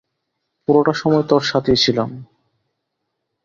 পুরোটা সময় তোর সাথেই ছিলাম।